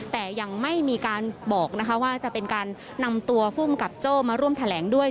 แต่ยังไม่มีการบอกนะคะว่าจะเป็นการนำตัวภูมิกับโจ้มาร่วมแถลงด้วย